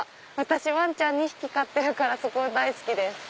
ワンちゃん２匹飼ってるからそこ大好きです。